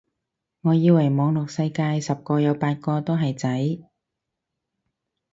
我以為網絡世界十個有八個都係仔